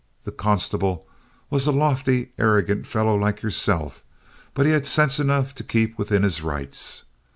The constable was a lofty, arrogant fellow like yourself, but had sense enough to keep within his rights.